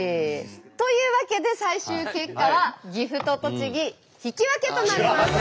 というわけで最終結果は岐阜と栃木引き分けとなりました。